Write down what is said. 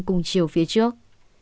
cùng chiều phía trước